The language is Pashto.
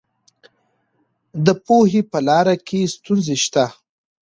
د پوهې په لاره کې ستونزې شته.